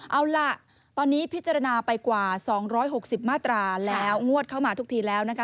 เอาล่ะตอนนี้พิจารณาไปกว่า๒๖๐มาตราแล้วงวดเข้ามาทุกทีแล้วนะคะ